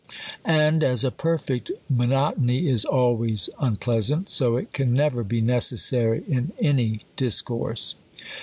And, as a perfect monoto ny is always unpleasant, so it can never be necessary in any discourse.